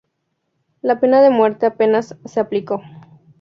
La pena de muerte apenas se aplicó.